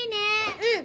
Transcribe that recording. うん。